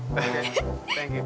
oke terima kasih